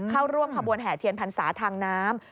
เข้าร่วมขบวนแห่เทียนพรรษาทางน้ำ